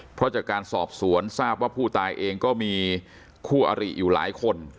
เพราะจากการสอบสวนทราบว่าผู้ตายเองก็มีคู่อริอยู่หลายคน